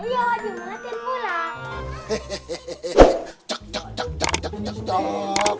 iya wajum latihan bola